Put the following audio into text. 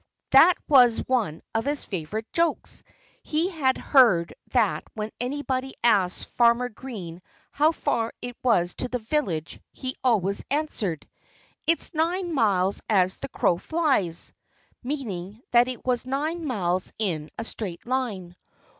That was one of his favorite jokes. He had heard that when anybody asked Farmer Green how far it was to the village he always answered, "It's nine miles as the crow flies" meaning that it was nine miles in a straight line.